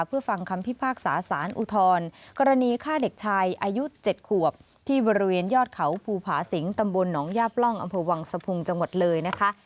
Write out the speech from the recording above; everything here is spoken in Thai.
เพื่อฟังคำพิพากษาสารอุทธรณ์กรณีฆ่าเด็กชายอายุ๗ขวบที่บริเวณยอดเขาภูผาสิงตำบลหนองย่าปล่องอำเภอวังสะพุงจังหวัดเลยนะคะ